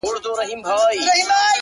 دي مــــړ ســي ـ